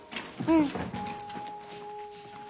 うん。